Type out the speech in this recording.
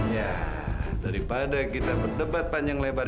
ya daripada kita berdebat panjang lebar